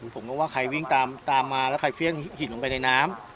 ผมก็ว่าใครวิ่งตามมาแล้วใครเฟี่ยงหินลงไปในน้ำ